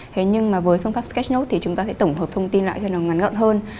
thế nhưng mà với phương pháp sketch note thì chúng ta sẽ tổng hợp thông tin lại cho nó ngắn ngợn hơn